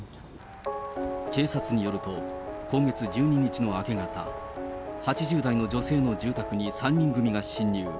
警察によると、今月１２日の明け方、８０代の女性の住宅に３人組が侵入。